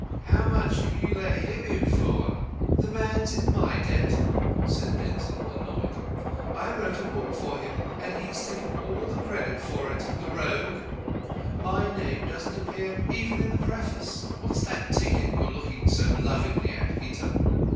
How much have you let him in for?" "The man's in my debt," said Denzil, annoyed. "I wrote a book for him and he's taken all the credit for it, the rogue! My name doesn't appear even in the Preface. What's that ticket you're looking so lovingly at, Peter?"